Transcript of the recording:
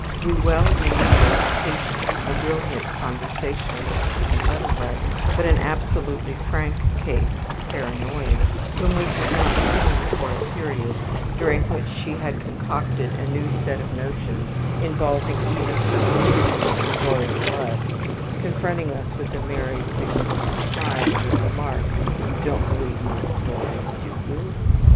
We well remember a patient, a brilliant conversationalist and letter writer, but an absolutely frank case of paranoia, whom we had not seen for a period during which she had concocted a new set of notions involving even her own claim to royal blood, confronting us with a merry, significant smile and the remark, ``You don't believe my new stories, do you?''